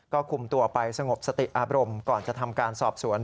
ก็คุมตัวไปสงบสติอารมณ์ก่อนจะทำการสอบสวน